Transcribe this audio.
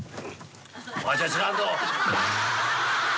わしゃ知らんぞ。